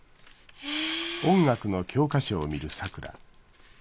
へえ。